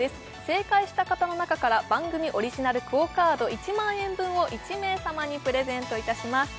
正解した方の中から番組オリジナルＱＵＯカード１万円分を１名様にプレゼントいたします